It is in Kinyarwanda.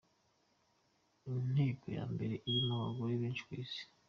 Inteko ya mbere irimo abagore benshi ku Isi.